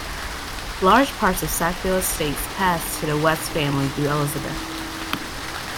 Large parts of the Sackville estates passed to the West family through Elizabeth.